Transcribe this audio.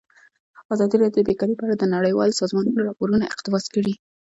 ازادي راډیو د بیکاري په اړه د نړیوالو سازمانونو راپورونه اقتباس کړي.